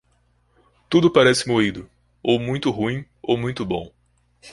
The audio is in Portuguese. Tudo parece moído, ou muito ruim ou muito bom.